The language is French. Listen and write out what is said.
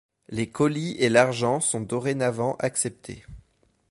Les colis et l'argent sont dorénavant acceptés.